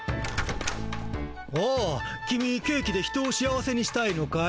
おおキミケーキで人を幸せにしたいのかい？